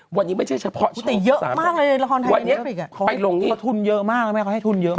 วันนี้ไม่ใช่เฉพาะช่อง๓๐๐บาทวันนี้ไปลงนี่คือทุนเยอะมากมันให้ทุนเยอะมาก